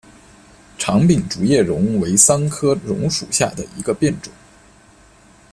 长柄竹叶榕为桑科榕属下的一个变种。